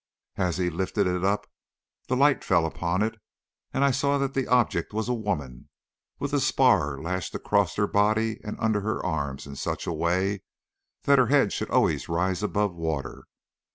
As he lifted it up the light fell upon it, and I saw that the object was a woman, with a spar lashed across her body and under her arms in such a way that her head should always rise above water.